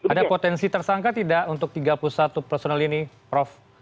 ada potensi tersangka tidak untuk tiga puluh satu personel ini prof